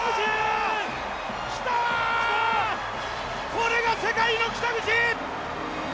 これが世界の北口！